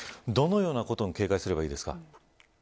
どのようなことに警戒すればいいですか。